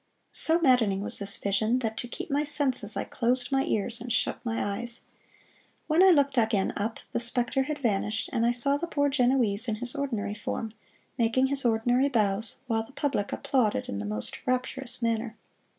So maddening was this vision that to keep my senses I closed my ears and shut my eyes. When I again looked up the specter had vanished, and I saw the poor Genoese in his ordinary form, making his ordinary bows, while the public applauded in the most rapturous manner.